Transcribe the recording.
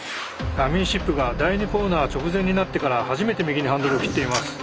ダミーシップが第２コーナー直前になってから初めて右にハンドルを切っています。